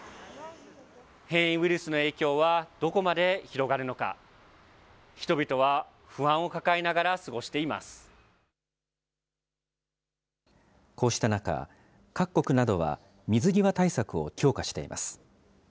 変異ウイルスの影響はどこまで広がるのか、人々は不安を抱えながこうした中、各国などは水際対策を強化しています。